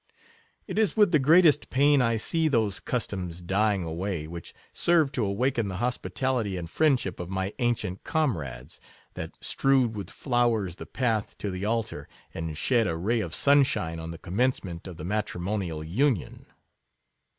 It is with the greatest pain I see those cus toms dying away, which served to awaken the hospitality and friendship of my ancient comrades — that strewed with flowers the path to the altar, and shed a ray of sunshine on the commencement of the matrimonial union.